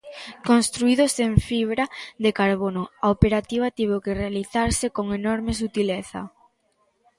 Construídos en fibra de carbono, a operativa tivo que realizarse con enorme sutileza.